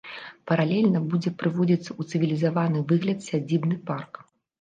Паралельна будзе прыводзіцца ў цывілізаваны выгляд сядзібны парк.